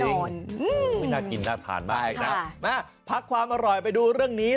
หู้น่ากินน่ากินไม่ได้นะมาพักความอร่อยไปดูเรื่องนี้